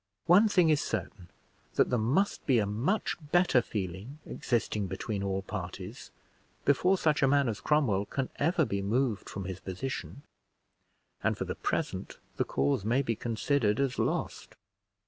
One thing is certain, that there must be a much better feeling existing between all parties before such a man as Cromwell can ever be moved from his position; and, for the present, the cause may be considered as lost."